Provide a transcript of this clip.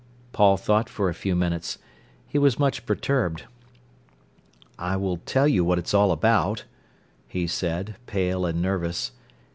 Paul thought for a few minutes. He was much perturbed. "I will tell you what it's all about," he said, pale and nervous.